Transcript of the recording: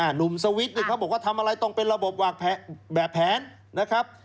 หนุ่มสวีดอีกเขาบอกว่าทำอะไรต้องเป็นระบบแบบแผนนะครับ